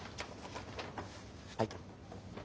はい。